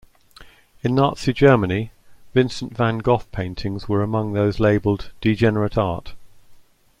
In Nazi Germany, Vincent van Gogh paintings were among those labelled "degenerate art".